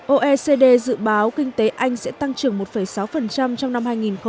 oecd dự báo kinh tế anh sẽ tăng trưởng một sáu trong năm hai nghìn một mươi bảy